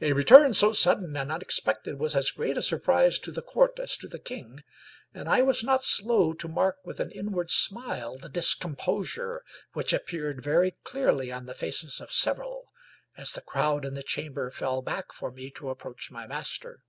A return so sudden and unexpected was as great a sur prise to the court as to the king, and I was not slow to mark with an inward smile the discomposure which ap peared very clearly on the faces of several, as the crowd in the chamber fell back for me to approach my master.